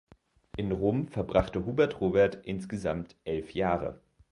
In Rom verbrachte Hubert Robert insgesamt elf Jahre.